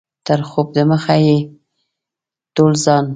تر خوب دمخه به یې ټول ځان.